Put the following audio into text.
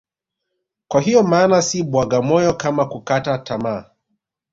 Kwa hiyo maana si bwaga moyo kama kukataa tamaa